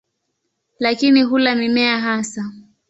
Lakini hula mimea hasa.